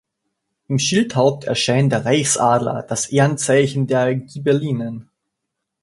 Im Schildhaupt erscheint der Reichsadler, das Ehrenzeichen der Ghibellinen.